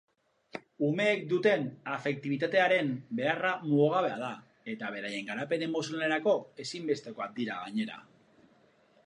Umeek duten afektibitatearen beharra mugagabea da eta beraien garapen emozionalerako ezinbestekoak dira gainera.